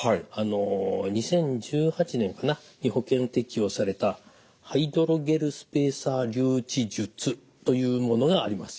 ２０１８年に保険適用されたハイドロゲルスペーサー留置術というものがあります。